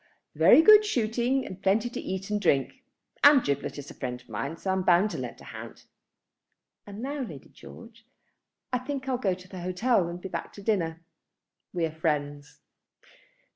"Very good shooting, and plenty to eat and drink, and Giblet is a friend of mine; so I'm bound to lend a hand. And now, Lady George, I think I'll go to the hotel and be back to dinner. We are friends."